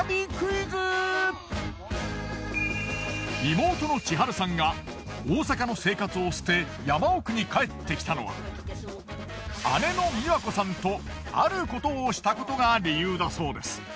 妹の千春さんが大阪の生活を捨て山奥に帰ってきたのは姉の美和子さんとある事をしたことが理由だそうです。